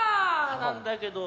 なんだけど。